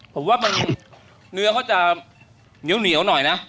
ผมว่าเนื้อเขาจะเหนียวเหนียวหน่อยนะ